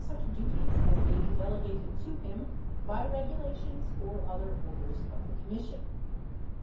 566 such duties as may be delegated to him by regulations or other orders of the Commission.